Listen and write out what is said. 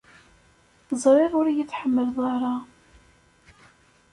ẓriɣ ur yi-tḥemmleḍ ara.